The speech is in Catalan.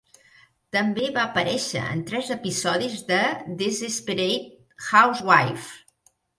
També va aparèixer en tres episodis de "Desperate Housewives".